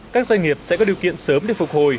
các doanh nghiệp sẽ có điều kiện sớm để phục hồi